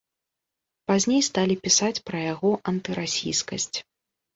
Пазней сталі пісаць пра яго антырасійскасць.